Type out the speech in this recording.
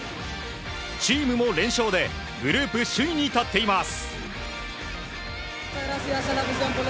チームも連勝でグループ首位に立っています。